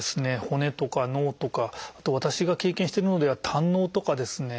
骨とか脳とかあと私が経験してるものでは胆のうとかですね